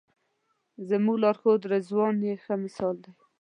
زموږ لارښود رضوان یې ښه مثال دی.